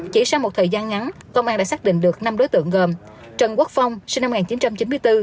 chỉ sau một thời gian ngắn công an đã xác định được năm đối tượng gồm trần quốc phong sinh năm một nghìn chín trăm chín mươi bốn